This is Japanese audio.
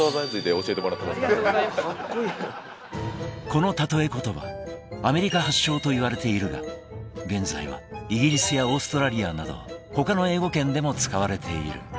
このたとえコトバアメリカ発祥といわれているが現在はイギリスやオーストラリアなど他の英語圏でも使われている。